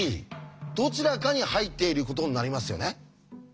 どちらかに入っていることになりますよね。